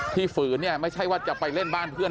ที่ฝืนไม่ใช่ว่าจะไปเล่นบ้านเพื่อน